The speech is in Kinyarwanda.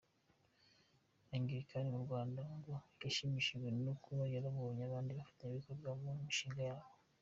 Angilikani mu Rwanda ngo yashimishijwe no kuba yarabonye abandi bafatanyabikorwa mu mishinga yabo.